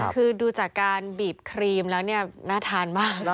คือดูจากการบีบครีมแล้วน่าทานมาก